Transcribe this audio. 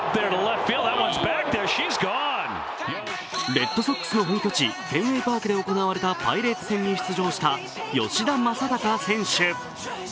レッドソックスの本拠地、フェンウェイ・パークで行われたパイレーツ戦に出場した吉田正尚選手。